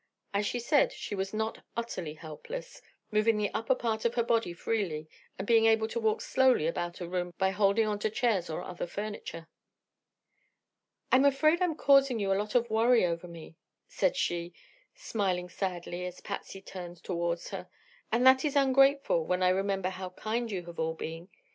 As she said, she was not utterly helpless, moving the upper part of her body freely and being able to walk slowly about a room by holding on to chairs or other furniture. "I'm afraid I'm causing you a lot of worry over me," said she, smiling sadly as Patsy turned toward her; "and that is ungrateful when I remember how kind you have all been.